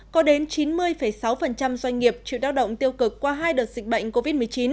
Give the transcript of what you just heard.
có đến chín mươi sáu doanh nghiệp chịu đau động tiêu cực qua hai đợt dịch bệnh covid một mươi chín